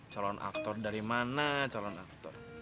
calon aktor dari mana calon aktor